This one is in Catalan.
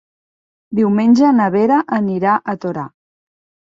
Diumenge na Vera anirà a Torà.